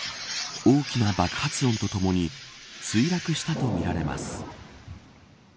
大きな爆発音とともに墜落したとみられます。